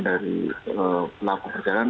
dari pelaku perjalanan